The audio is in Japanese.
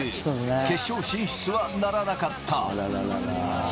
決勝進出はならなかった。